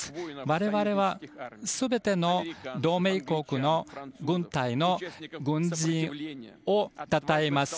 我々は、全ての同盟国の軍隊の軍事をたたえます。